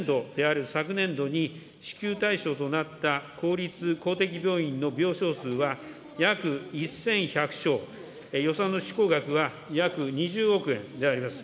開始初年度である昨年度に支給対象となった公立・公的病院の病床数は約１１００床、予算の執行額は約２０億円であります。